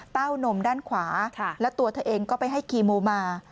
นมด้านขวาแล้วตัวเธอเองก็ไปให้คีโมมา